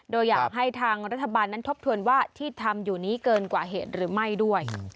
โดยอยากให้ทางรัฐบาลนั้นทบทวนว่าที่ทำอยู่นี้เกินกว่าเหตุหรือไม่ด้วย